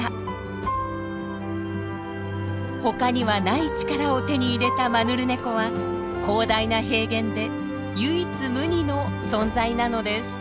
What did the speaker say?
他にはない力を手に入れたマヌルネコは広大な平原で唯一無二の存在なのです。